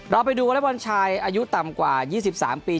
เราไปดูวันวันชายอายุต่ำกว่า๒๓ปี